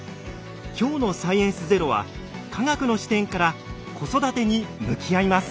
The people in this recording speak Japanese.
今日の「サイエンスＺＥＲＯ」は科学の視点から子育てに向き合います。